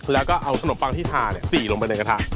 แล้วก็เอาขนมปังที่ทาสีลงไปในกระทะ